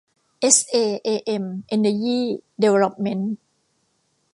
เอสเอเอเอ็ม เอ็นเนอร์ยี่ ดีเวลลอปเมนท์